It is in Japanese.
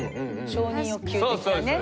承認欲求的なね。